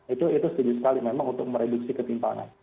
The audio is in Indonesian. itu setuju sekali memang untuk mereduksi ketimpangan